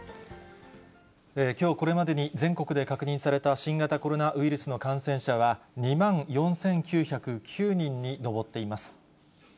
きょうこれまでに全国で確認された新型コロナウイルスの感染者は、２万４９０９人に上っています。